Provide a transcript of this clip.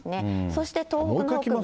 そして東北北部。